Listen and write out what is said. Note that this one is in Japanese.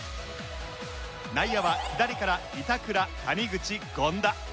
内野は左から板倉谷口権田。